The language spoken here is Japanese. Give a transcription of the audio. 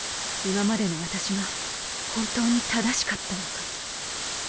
今までの私が本当に正しかったのか。